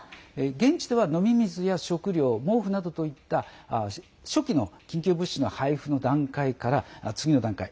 現地では飲み水や食料、毛布などといった初期の緊急物資の配布の段階から次の段階。